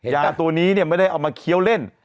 ยาตัวนี้ไม่ได้เอามาเคี้ยวเล่น